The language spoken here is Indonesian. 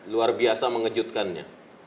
luar biasa mengejutkannya